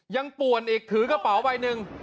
ป่วนอีกถือกระเป๋าใบหนึ่ง